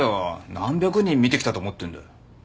何百人見てきたと思ってんだ。